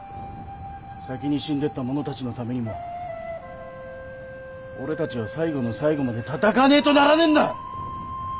先に死んでった者たちのためにも俺たちは最後の最後まで戦わねえとならねえんだ！